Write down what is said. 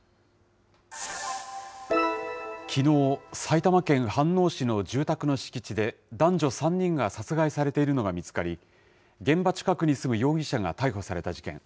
きのう、埼玉県飯能市の住宅の敷地で、男女３人が殺害されているのが見つかり、現場近くに住む容疑者が逮捕された事件。